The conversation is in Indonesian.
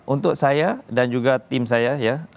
untuk saya dan juga tim saya ya